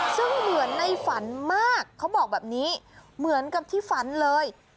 ซึ่งเหมือนในฝันมากเขาบอกแบบนี้เหมือนกับที่ฝันเลย